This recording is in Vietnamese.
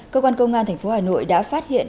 cơ quan công an tp hà nội đã phát hiện